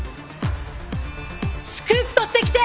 スクープ取ってきて！